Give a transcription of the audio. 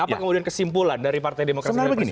apa kemudian kesimpulan dari partai demokrasi perjuangan pdip